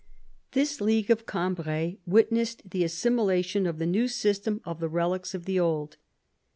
This League of Gambrai witnessed the assimilation by the new system of the relics of the old.